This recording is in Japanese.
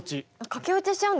かけ落ちしちゃう。